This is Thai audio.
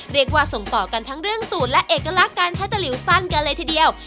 เรียกว่าส่งต่อกันทั้งเรื่องสูตรและเอกลักษณ์การใช้ตะหลิวสั้นกันเลยทีเดียว